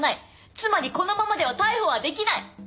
つまりこのままでは逮捕はできない。